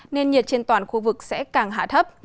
nên nhiệt trên toàn khu vực sẽ càng hạ thấp